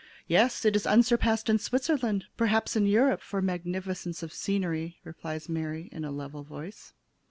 "Yes; it is unsurpassed in Switzerland, perhaps in Europe, for magnificence of scenery," replies Mary, in level voice.